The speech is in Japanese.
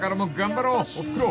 ［おふくろ